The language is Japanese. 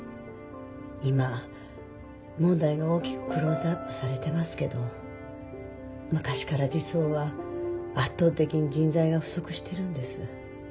今問題が大きくクローズアップされてますけど昔から児相は圧倒的に人材が不足してるんです。